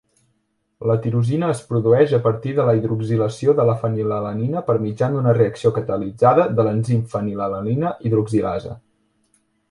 La tirosina es produeix a partir de la hidroxilació de la fenilalanina per mitjà d'una reacció catalitzada de l'enzim fenilalanina hidroxilasa.